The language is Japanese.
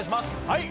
はい！